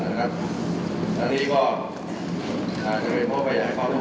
แม้ว่าจะเห็นอะไรเข้าตามมันเชื่อเป็นเหตุผลของนั้น